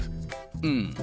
うん。